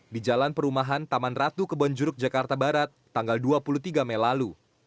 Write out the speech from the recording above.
di jalan perumahan taman ratu kebonjuruk jakarta barat tanggal dua puluh tiga mei lalu